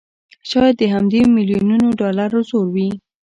شايد د همدې مليونونو ډالرو زور وي